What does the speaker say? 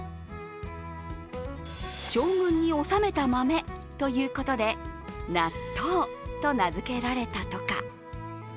将軍に納めた豆ということで納豆と名づけられたとか。